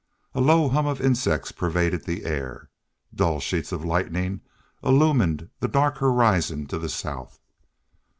A low hum of insects pervaded the air. Dull sheets of lightning illumined the dark horizon to the south.